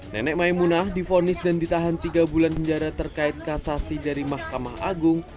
nenek maimunah difonis dan ditahan tiga bulan penjara terkait kasasi dari mahkamah agung